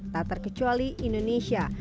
tak terkecuali indonesia